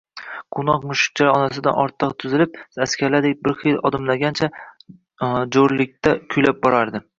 Quvnoq mushukchalar onasining ortidan tizilib, askarlardek bir xil odimlagancha, jo‘rlikda kuylab borardi: